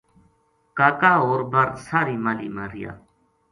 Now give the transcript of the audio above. کا کا ہور بر ساہری ماہلی ما رہیا